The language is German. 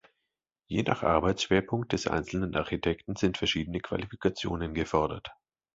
Je nach Arbeitsschwerpunkt des einzelnen Architekten sind verschiedene Qualifikationen gefordert.